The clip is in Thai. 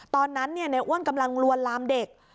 ตอนนั้นในอ้วนกำลังลวนลามเด็ก